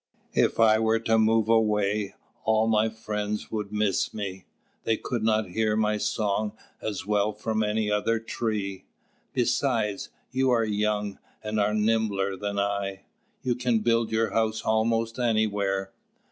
If I were to move away, all my friends would miss me. They could not hear my song as well from any other tree. Besides, you are young, and are nimbler than I; you can build your house almost anywhere."